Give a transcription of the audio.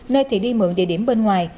nơi thì đi mượn địa điểm bên ngoài